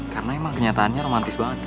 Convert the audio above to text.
karena emang kenyataannya romantis banget